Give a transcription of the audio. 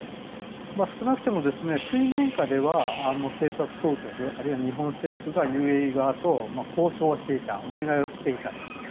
少なくとも水面下では警察当局あるいは日本政府がＵＡＥ側と交渉はしていたお願いはしていたと。